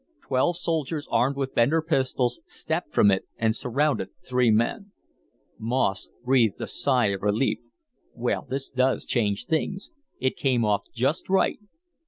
Twelve soldiers, armed with Bender pistols, stepped from it and surrounded the three men. Moss breathed a sigh of relief. "Well, this does change things. It came off just right."